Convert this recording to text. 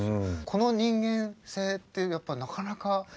この人間性ってやっぱなかなか。